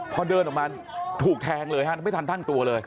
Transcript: พอเดินออกมาถูกแทงเลยฮะไม่ทันตั้งตัวเลย